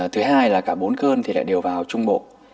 thứ hai là cả bốn cơn thì lại đều vào trung bộ